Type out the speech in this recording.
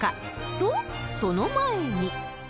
と、その前に。